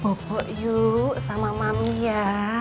bobok yuk sama mami ya